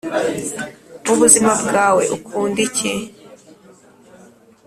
mubuzima bwawe ukunda iki